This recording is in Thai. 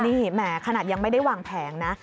นี่แหมขนาดยังไม่ได้วางแผนนะ